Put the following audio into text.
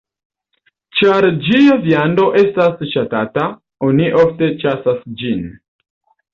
Ĉar ĝia viando estas ŝatata, oni ofte ĉasas ĝin.